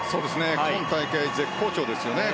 今大会、絶好調ですね。